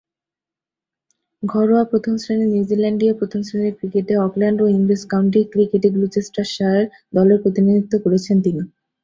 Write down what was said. ঘরোয়া প্রথম-শ্রেণীর নিউজিল্যান্ডীয় প্রথম-শ্রেণীর ক্রিকেটে অকল্যান্ড ও ইংরেজ কাউন্টি ক্রিকেটে গ্লুচেস্টারশায়ার দলের প্রতিনিধিত্ব করেছেন তিনি।